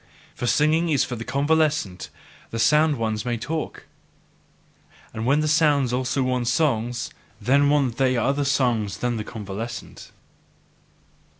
For singing is for the convalescent; the sound ones may talk. And when the sound also want songs, then want they other songs than the convalescent."